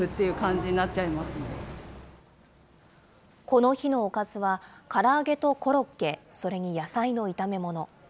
この日のおかずは、から揚げとコロッケ、それに野菜の炒め物。